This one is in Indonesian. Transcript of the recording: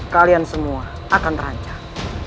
kalian semua akan terancam